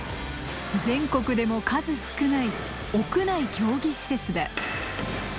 全国でも数少ない屋内競技施設だ。